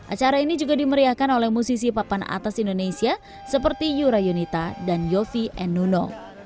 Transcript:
acara ini juga dimeriahkan oleh musisi papan atas indonesia seperti yura yunita dan yofi enuno